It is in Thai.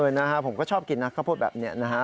นะฮะผมก็ชอบกินนะข้าวโพดแบบนี้นะฮะ